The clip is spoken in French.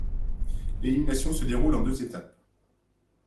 L'élimination se déroule en deux étapes.